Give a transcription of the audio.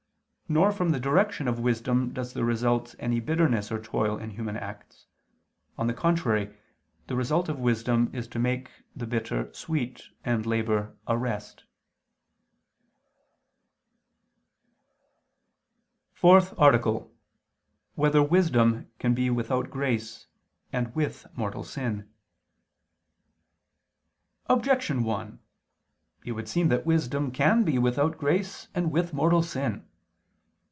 Nor from the direction of wisdom does there result any bitterness or toil in human acts; on the contrary the result of wisdom is to make the bitter sweet, and labor a rest. _______________________ FOURTH ARTICLE [II II, Q. 45, Art. 4] Whether Wisdom Can Be Without Grace, and with Mortal Sin? Objection 1: It would seem that wisdom can be without grace and with mortal sin.